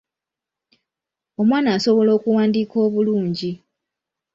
Omwana asobola okuwandiika obulungi.